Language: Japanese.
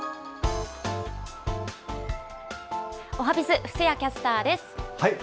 おはＢｉｚ、布施谷キャスターです。